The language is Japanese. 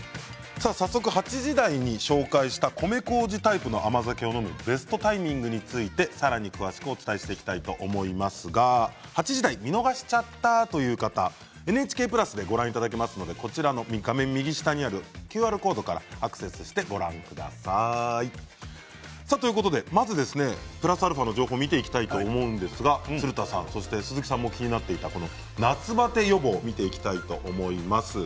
早速８時台に紹介した米こうじタイプの甘酒を飲むベストタイミングについてさらに詳しくお伝えしていきたいと思いますが８時台見逃しちゃった、という方ＮＨＫプラスでご覧いただけますので画面右下にあるＱＲコードからアクセスしてご覧ください。ということで、まずはプラスアルファの情報を見ていきたいと思うんですが鶴田さん、そして鈴木さんも気になっていた夏バテ予防を見ていきたいと思います。